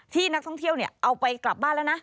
ที่นักท่องเที่ยวเอาไปกลับบ้านแล้วนะ